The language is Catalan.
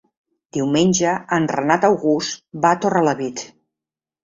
Diumenge en Renat August va a Torrelavit.